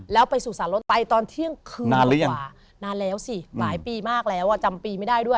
แล้วยังไง